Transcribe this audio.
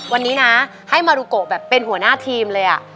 วันนี้นะให้มารุโกแบบเป็นหัวหน้าทีมเลย